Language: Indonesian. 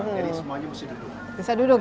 bisnis jadi semuanya mesti duduk